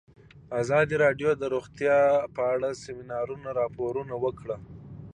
ازادي راډیو د روغتیا په اړه د سیمینارونو راپورونه ورکړي.